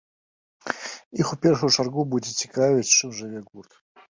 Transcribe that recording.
Іх у першую чаргу будзе цікавіць, чым жыве гурт.